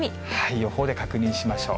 予報で確認しましょう。